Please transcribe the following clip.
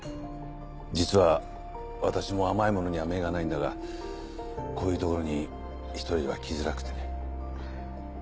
実は私も甘いものには目がないんだがこういう所に１人では来づらくてね。